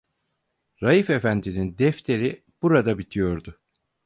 Raif efendinin defteri burada bitiyordu.